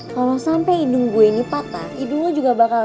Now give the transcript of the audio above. kalo sampe hidung gue ini patah hidung lu juga bakal